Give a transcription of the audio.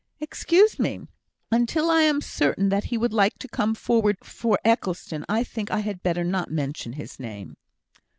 "Excuse me. Until I am certain that he would like to come forward for Eccleston, I think I had better not mention his name."